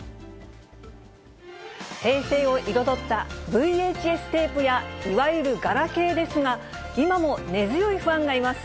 平成を彩った、ＶＨＳテープや、いわゆるガラケーですが、今も根強いファンがいます。